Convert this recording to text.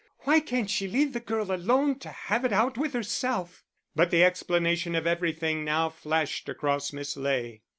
Why can't she leave the girl alone to have it out with herself!" But the explanation of everything now flashed across Miss Ley.